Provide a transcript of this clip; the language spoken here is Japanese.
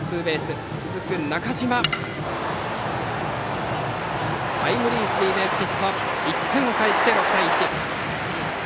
そして続く中島のタイムリースリーベースヒットで１点返して６対１。